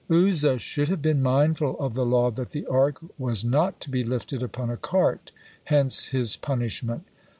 Uzzah should have been mindful of the law that the Ark was not to be lifted upon a cart, hence his punishment.